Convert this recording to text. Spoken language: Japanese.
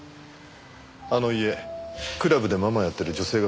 あの家クラブでママやってる女性が住んでるそうだ。